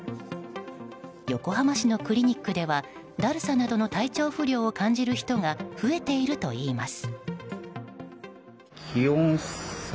横浜市のクリニックではだるさなどの体調不良を感じる人が増えているといいます。